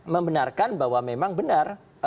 membenarkan bahwa memang benar